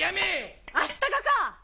アシタカか？